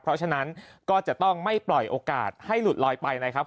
เพราะฉะนั้นก็จะต้องไม่ปล่อยโอกาสให้หลุดลอยไปนะครับ